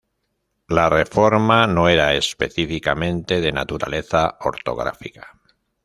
La reforma no era específicamente de naturaleza ortográfica.